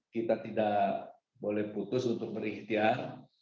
kita tidak boleh putus untuk berikhtiar